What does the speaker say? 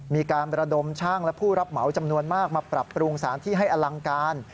มีการระดมช่างและผู้รับเหมาจำนวนมากมาปรับปรุงสถานที่ให้อลังการ